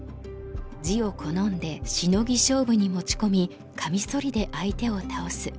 地を好んでシノギ勝負に持ち込みカミソリで相手を倒す。